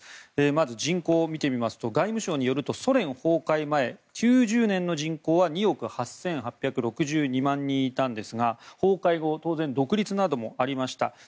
まず人口を見てみますと外務省によるとソ連崩壊前９０年の人口は２億８８６２万人いたんですが崩壊後当然、独立などもありました。